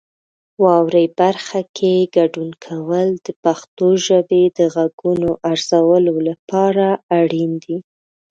واورئ برخه کې ګډون کول د پښتو ژبې د غږونو ارزولو لپاره اړین دي.